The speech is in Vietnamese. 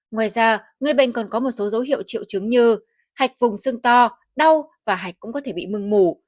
ngoài ra người bệnh còn có một số dấu hiệu triệu chứng như hạch vùng xương to đau và hạch cũng có thể bị mừng mủ